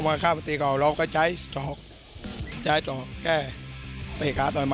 แล้วมีอะไรไหม